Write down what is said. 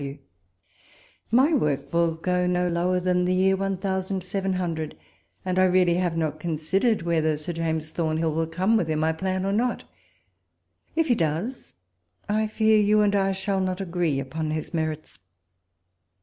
W. My work will go no lower than the year one thousand seven hundred, and I j eally have not considered whether Sir J. Thornhill wifl come within my plan or not ; if he does, I fear you and I shall not agree upon his merits.